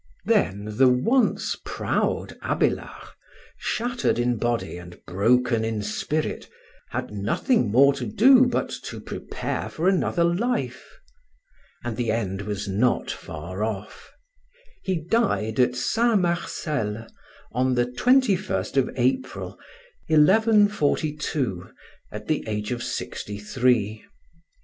Then the once proud Abélard, shattered in body and broken in spirit, had nothing more to do but to prepare for another life. And the end was not far off. He died at St. Marcel, on the 21st of April, 1142, at the age of sixty three.